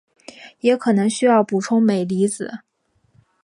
也可能需要补充镁离子。